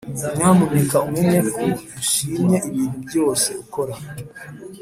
nyamuneka umenye ko nshimye ibintu byose ukora